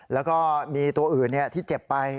แล้วก็มีตัวอื่นที่เจ็บไป